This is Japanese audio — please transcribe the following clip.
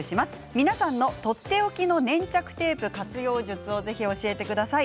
皆さんのとっておきの粘着テープ活用術をぜひ教えてください。